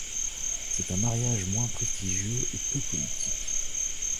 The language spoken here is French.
C'est un mariage moins prestigieux et peu politique.